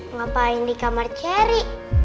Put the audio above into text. ngapain di kamar cherry